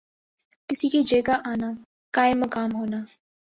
کسی کی جگہ آنا، قائم مقام ہونا